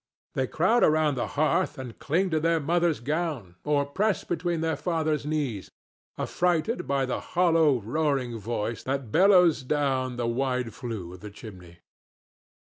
They crowd around the hearth and cling to their mother's gown or press between their father's knees, affrighted by the hollow roaring voice that bellows adown the wide flue of the chimney.